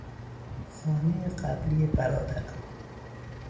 خانهی قبلی برادرم